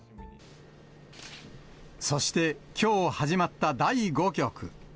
そして、きょう始まった第５局。